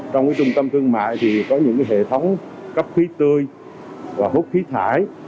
trong trung tâm thương mại thì có những hệ thống cấp khí tươi và hút khí thải